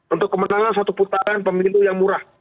untuk kemenangan satu putaran pemilu yang murah